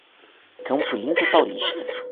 Campo Limpo Paulista